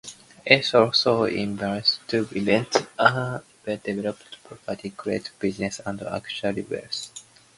It allows individuals to invest in and develop property, create businesses, and accumulate wealth.